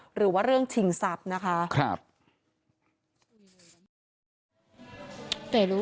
หรือว่าเรื่องฉิงสับนะคะ